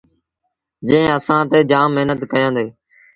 جݩهݩ اسآݩ تي جآم مهنت ڪيآندي۔